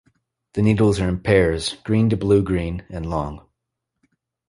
The needles are in pairs, green to blue-green, and long.